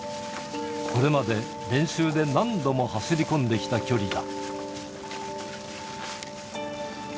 これまで練習で何度も走り込んできた距離だ。